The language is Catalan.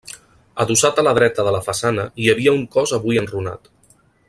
Adossat a la dreta de la façana hi havia un cos avui enrunat.